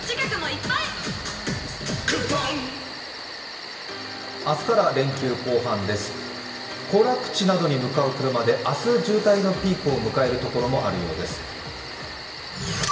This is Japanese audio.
行楽地などに向かう車で明日渋滞のピークを迎えるところもあるようです。